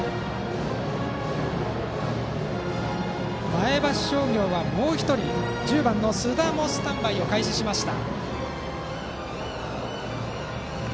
前橋商業はもう１人１０番の須田もスタンバイを開始しました。